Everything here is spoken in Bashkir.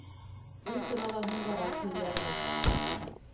Ул турала һуңғараҡ һөйләрмен.